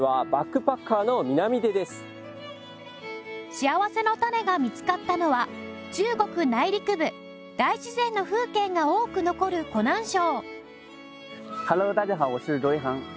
しあわせのたねが見つかったのは中国内陸部大自然の風景が多く残る湖南省